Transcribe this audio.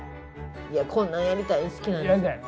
こんなんやりたい好きなんです。